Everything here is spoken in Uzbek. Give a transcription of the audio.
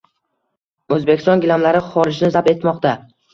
O‘zbekiston gilamlari xorijni zabt etmoqdang